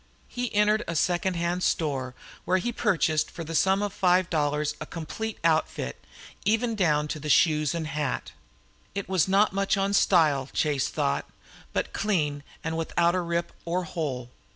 He entered a second hand store, where he purchased for the sum of five dollars a complete outfit, even down to shoes and hat. It was not much on style, Chase thought, but clean and without a rip or hole.